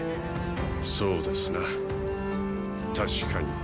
そうですなたしかに。